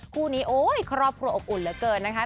คู่นี้โอ้ยครอบครัวอบอุ่นเหลือเกินนะคะ